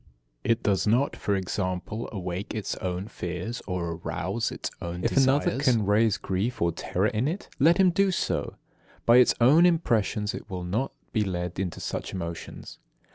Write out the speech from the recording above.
It does not, for example, awake its own fears or arouse its own desires. If another can raise grief or terror in it, let him do so. By its own impressions it will not be led into such emotions.